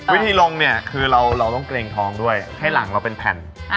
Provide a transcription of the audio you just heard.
วิธีลงเนี่ยคือเราต้องเกรงท้องด้วยให้หลังเราเป็นแผ่น